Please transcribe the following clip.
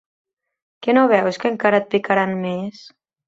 Que no veus que encara et picaran més?